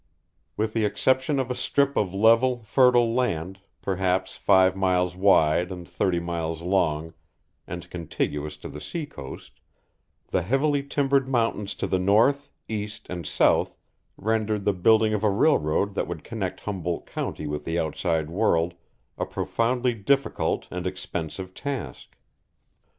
With the exception of a strip of level, fertile land, perhaps five miles wide and thirty miles long and contiguous to the seacoast, the heavily timbered mountains to the north, east, and south rendered the building of a railroad that would connect Humboldt County with the outside world a profoundly difficult and expensive task.